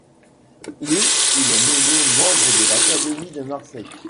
Le il est nommé membre de l'Académie de Marseille.